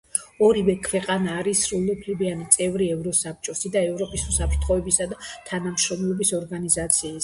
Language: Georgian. ორივე ქვეყანა არის სრულუფლებიანი წევრი ევროსაბჭოსი და ევროპის უსაფრთხოებისა და თანამშრომლობის ორგანიზაციისა.